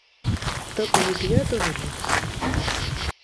تب میڈیا تو نہیں تھا۔